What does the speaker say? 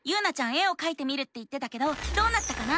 絵をかいてみるって言ってたけどどうなったかな？